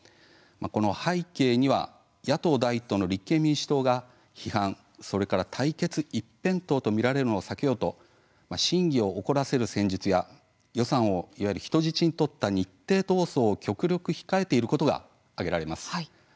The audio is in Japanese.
この背景には野党第１党の立憲民主党が批判それから対決一辺倒と見られるのを避けようと審議を遅らせる戦術や予算を人質に取った日程闘争を極力控えていることが挙げられます。